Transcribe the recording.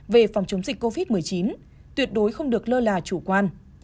về phòng chống dịch covid một mươi chín tuyệt đối không được lơ là chủ quan